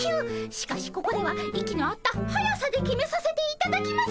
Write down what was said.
しかしここでは息の合った速さで決めさせていただきます。